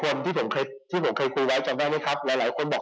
ว่าจะทำเรื่องแบบนี้จะทำยังไง